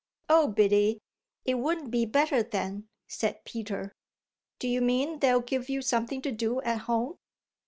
"Oh Biddy, it wouldn't be better then," said Peter. "Do you mean they'll give you something to do at home?"